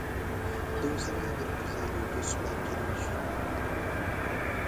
د اوسني امیر پر ځای یو دوست سړی کېنول شي.